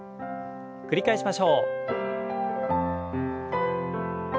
繰り返しましょう。